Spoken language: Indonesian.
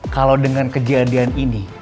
kalau dengan kejadian ini